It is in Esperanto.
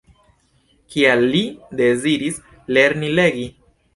Kial li deziris lerni legi?